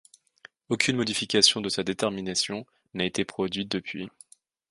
Aucune modification de sa détermination n'a été produite depuis.